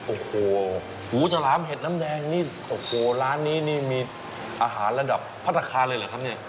โอ้โหหูฉลามเห็ดน้ำแดงนี่โอ้โหร้านนี้นี่มีอาหารระดับพัฒนาคารเลยเหรอครับเนี่ย